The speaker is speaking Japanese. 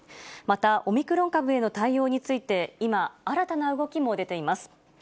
また、オミクロン株への対応について、今、新たな動きも出ています。